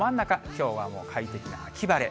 きょうはもう快適な秋晴れ。